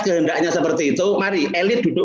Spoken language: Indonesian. sehendaknya seperti itu mari elit duduk